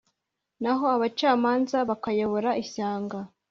naho abacamanza bakayobora ishyanga